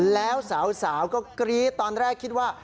แล้วสาวก็กรี๊ดตอนแรกคิดว่า